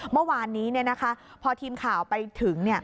เมื่อวานนี้พอทีมข่าวไปถึง